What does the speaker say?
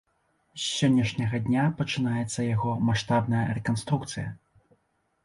З сённяшняга дня пачынаецца яго маштабная рэканструкцыя.